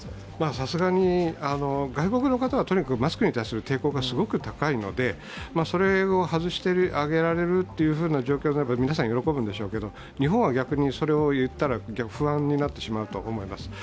さすがに外国の方はマスクに対する抵抗が強いのでそれを外してあげられる状況だと皆さん喜ぶんでしょうが、日本は逆にそれを言ったら不安になってしまうと思います。